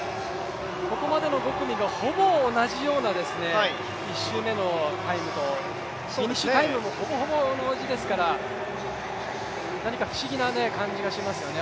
ここまでの５組がほぼ同じような１周目のタイムと、フィニッシュタイムもほぼほぼ同時ですから、何か不思議な感じがしますよね。